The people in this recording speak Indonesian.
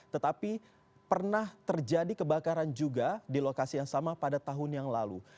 tetapi pernah terjadi kebakaran juga di lokasi yang sama pada tahun yang lalu